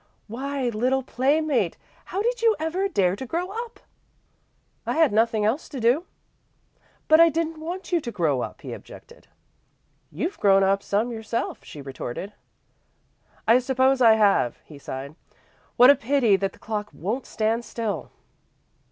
"Why, little playmate, how did you ever dare to grow up?" "I had nothing else to do." "But I didn't want you to grow up," he objected. "You've grown up some yourself," she retorted. "I suppose I have," he sighed. "What a pity that the clock won't stand still!"